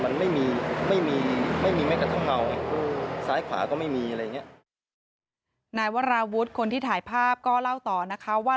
นายวราวุธคนที่ถ่ายภาพก็เล่าต่อนะคะว่า